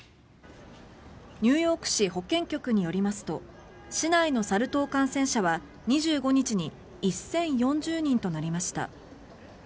ニューヨーク市保健局によりますと市内のサル痘感染者は２５日に１０４０人となりました。